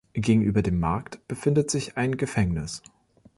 Gegenüber dem Markt befindet sich ein Gefängnis.